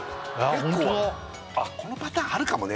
結構このパターンあるかもね